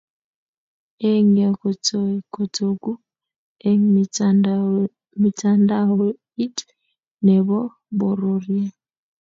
Eng ye kotoi kotokuu eng mitandaoit ne bo bororie.